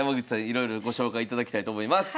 いろいろご紹介いただきたいと思います。